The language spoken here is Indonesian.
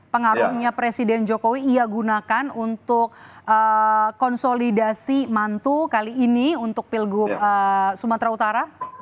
pengaruhnya presiden jokowi ia gunakan untuk konsolidasi mantu kali ini untuk pilgub sumatera utara